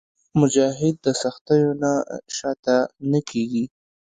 مجاهد د سختیو نه شاته نه کېږي.